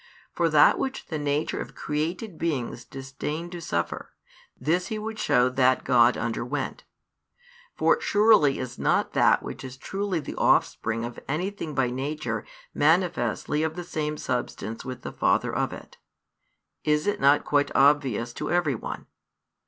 For that which the nature of created beings disdained to suffer, this he would show that God underwent. For surely is not that which is truly the offspring of anything by nature manifestly of the same substance with the father of it? Is it not quite obvious to every one?